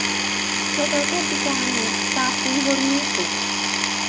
Ve Velké Británii stávkují horníci.